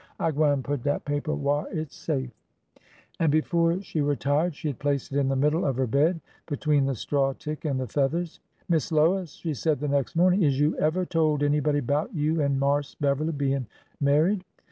T gwine put dat paper whar it 's safe." 310 ORDER NO. 11 And before she retired she had placed It in the middle of her bed, between the straw tick and the feathers. Miss Lois,'' she said the next morning, " is you ever told anybody 'bout you an' Marse Beverly bein' mar ried?"